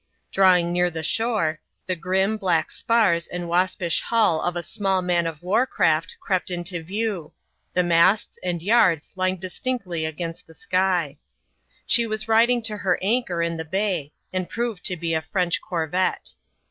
Drawing near the shore, the grim, black spars and waspish hull of a small man of war craft crept into view ; the masts and yards lined distinctly against the sky. She was riding to her anchor in the bay, and proved to be a French corvette.